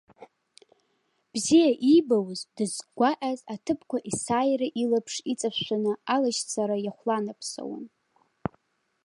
Бзиа иибауаз, дыззгәакьаз аҭыԥқәа есааира илаԥш иҵышәшәаны алашьцара иахәланаԥсауан.